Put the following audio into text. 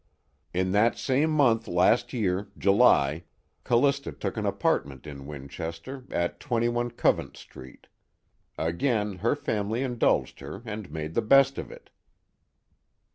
"In that same month last year, July, Callista took an apartment in Winchester, at 21 Covent Street. Again her family indulged her and made the best of it."